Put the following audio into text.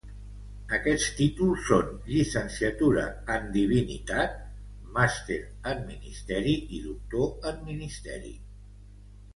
Aquests títols són Llicenciatura en Divinitat, Màster en Ministeri i Doctor en Ministeri.